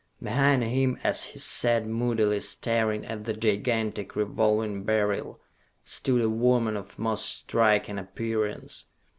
Behind him as he sat moodily staring at the gigantic Revolving Beryl stood a woman of most striking appearance.